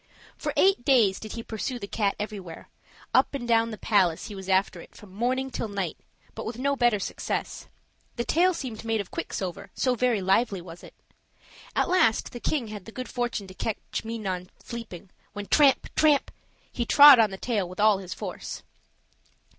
For eight days did he pursue the cat everywhere: up and down the palace he was after it from morning till night, but with no better success; the tail seemed made of quicksilver, so very lively was it. At last the king had the good fortune to catch Minon sleeping, when tramp! tramp! he trod on the tail with all his force.